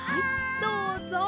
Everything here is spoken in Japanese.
どうぞ。